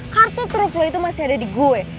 kartu truf lo itu masih ada di gue